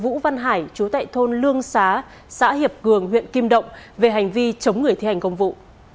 vũ văn hải chú tại thôn lương xá xã hiệp cường huyện kim động về hành vi chống người thi hành công vụ